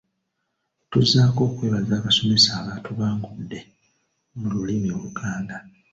Tuzzaako okwebaza abasomesa abatubangudde mu lulimi Oluganda.